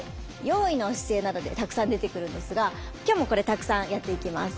用意の姿勢などでたくさん出てくるんですが今日もこれたくさんやっていきます。